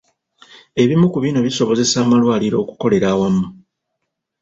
Ebimu ku bino bisobozesa amalwaliro okukolera awamu.